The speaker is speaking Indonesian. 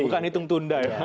bukan hitung tunda ya